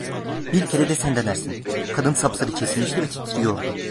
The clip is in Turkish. Bir kere de sen denersin!" Kadın sapsarı kesilmişti ve titriyordu.